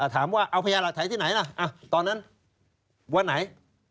ถามว่าเอาพญาหลักฐานที่ไหนล่ะตอนนั้นวันไหน